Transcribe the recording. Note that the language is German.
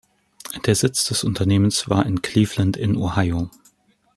Der Sitz des Unternehmens war in Cleveland in Ohio.